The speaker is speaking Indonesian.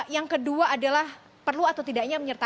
yang kedua adalah perlu atau tidaknya menyerta